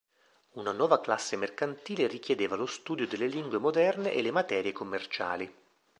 Una nuova classe mercantile richiedeva lo studio delle lingue moderne e le materie commerciali.